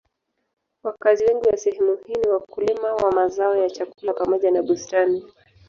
Wakazi wengi wa sehemu hii ni wakulima wa mazao ya chakula pamoja na bustani.